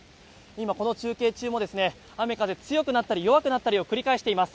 今、この中継中も雨、風強くなったり弱くなったりを繰り返しています。